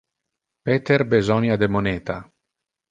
Peter besonia de moneta.